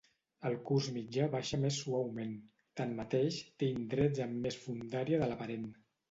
El curs mitjà baixa més suaument, tanmateix té indrets amb més fondària de l'aparent.